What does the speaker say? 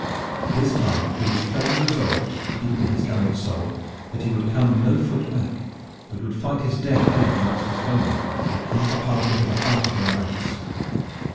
This time he was firmly resolved, deep in his gallant soul, that he would come no foot back, but would find his death there amongst his foemen or carve a path into the heart of their ranks.